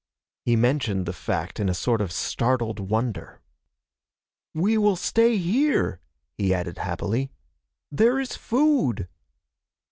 He mentioned the fact in a sort of startled wonder. "We will stay here," he added happily. "There is food."